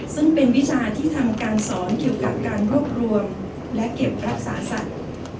ซึ่งเป็นวิชาที่ทำการสอนเกี่ยวกับการรวบรวมและเก็บรักษาสัตว์